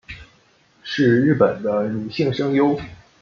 是日本的女性声优。